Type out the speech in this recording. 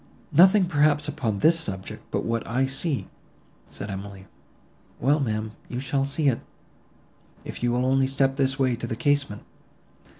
"Nothing probably upon this subject, but what I see," said Emily.—"Well, ma'am, but you shall see it, if you will only step this way to the casement."